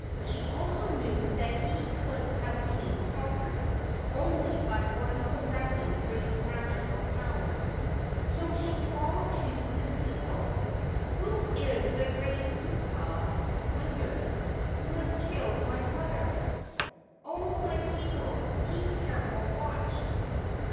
She also knew that he could have been conquered only by one possessing great magical powers. So she called to his people: " Who is the great kupua [wizard] who has killed my brother? Oh, my people, keep careful watch."